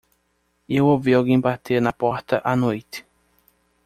Eu ouvi alguém bater na porta à noite.